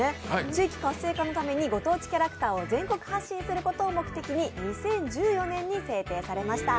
地域活性化のために御当地キャラを全国発信することを目的に２０１４年に制定されました。